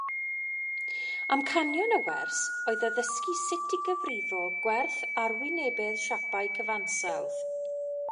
Amcanion y wers oedd addysgu sut i gyfrifo gwerth arwynebedd siapau cyfansawdd